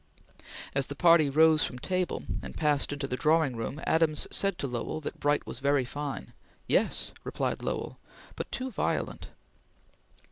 As the party rose from table and passed into the drawing room, Adams said to Lowell that Bright was very fine. "Yes!" replied Lowell, "but too violent!"